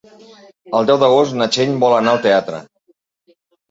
El deu d'agost na Txell vol anar al teatre.